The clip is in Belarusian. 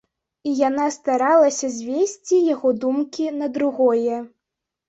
І яна старалася звесці яго думкі на другое.